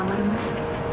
aku mau ke kamar mas